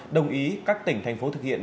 đồng ý các tỉnh thành phố thực hiện